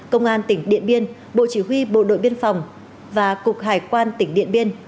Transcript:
công an tỉnh điện biên bộ chỉ huy bộ đội biên phòng và cục hải quan tỉnh điện biên